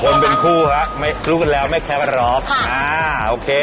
คนเป็นคู่ค่ะหรูกันแล้วไม่แคล้วหรอก